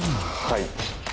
はい。